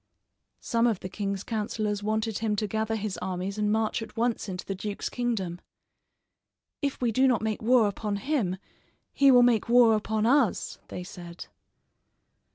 Some of the king's counselors wanted him to gather his armies and march at once into the duke's kingdom. "If we do not make war upon him, he will make war upon us," they said.